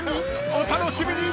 お楽しみに！］